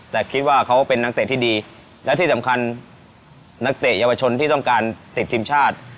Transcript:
แต่คิดว่าเขาเป็นนักเตะที่ดีและที่สำคัญนักเตะเยาวชนที่ต้องการติดทีมชาติ